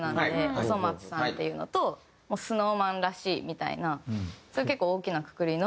『おそ松さん』っていうのと「ＳｎｏｗＭａｎらしい」みたいなそういう結構大きなくくりの。